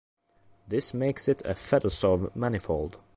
This makes it a Fedosov manifold.